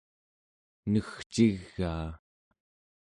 negcigaa